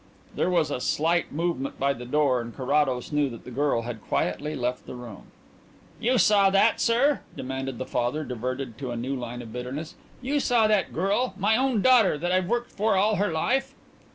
There was a slight movement by the door and Carrados knew that the girl had quietly left the room. "You saw that, sir?" demanded the father, diverted to a new line of bitterness. "You saw that girl my own daughter, that I've worked for all her life?"